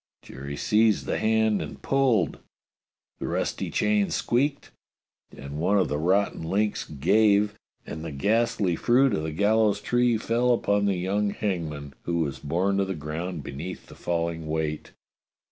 Jerry seized the hand and pulled. The rusty chain squeaked, and one of the rotten links "gave," and the ghastly fruit of the gallows tree fell upon the young hangman, who was borne to the ground beneath the falling weight.